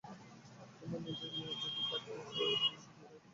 তোমার নিজের মেয়ে যদি থাকত তাকে কি এই বিয়েতে পাঠাতে পারতে?